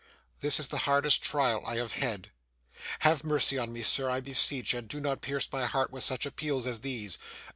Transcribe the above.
'This is the hardest trial I have had. Have mercy on me, sir, I beseech, and do not pierce my heart with such appeals as these.